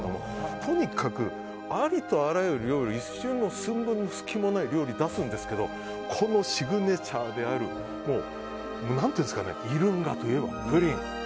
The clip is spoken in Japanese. とにかく、ありとあらゆる料理一瞬の寸分の隙もない料理を出すんですけどこのシグネチャーである何というかｉ‐ｌｕｎｇａといえばプリン。